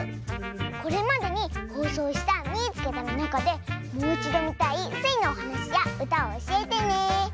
これまでにほうそうした「みいつけた！」のなかでもういちどみたいスイのおはなしやうたをおしえてね！